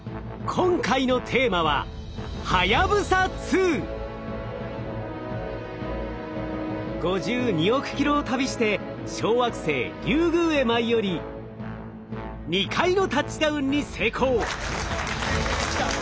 今回のテーマは５２億キロを旅して小惑星リュウグウへ舞い降り２回のタッチダウンに成功。